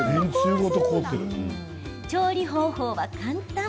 調理方法は簡単。